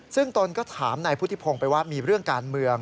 ซึ่งตนก็ถามนายพุทธิพงศ์ไปว่ามีเรื่องการเมือง